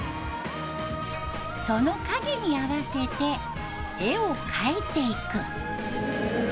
その影に合わせて絵を描いていく。